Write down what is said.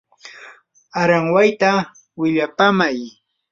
aranwayta willapamay.